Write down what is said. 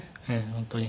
本当に。